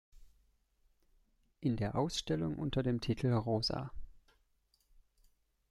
In der Ausstellung unter dem Titel "Rosa.